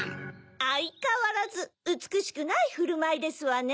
あいかわらずうつくしくないふるまいですわね。